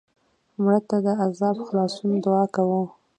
مړه ته د عذاب د خلاصون دعا کوو